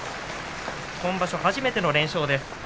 今場所、初めての連勝です。